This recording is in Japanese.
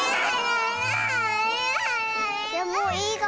もういい。